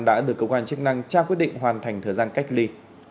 đã được công an chức năng trao quyết định hoàn thành thời gian cách ly